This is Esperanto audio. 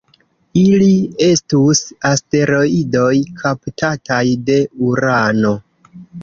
Ili estus asteroidoj kaptataj de Urano.